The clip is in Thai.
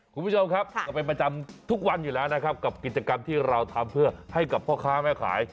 คุณผู้ชมครับก็เป็นประจำทุกวันอยู่แล้วนะครับกับกิจกรรมที่เราทำเพื่อให้กับพ่อค้าแม่ขาย